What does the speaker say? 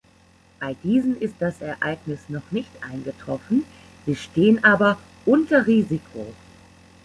Bei diesen ist das Ereignis noch nicht eingetroffen, sie stehen aber „unter Risiko“.